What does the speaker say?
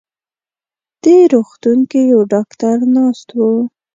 دې روغتون يو ډاکټر ناست و.